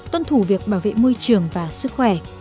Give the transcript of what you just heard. tuân thủ việc bảo vệ môi trường và sức khỏe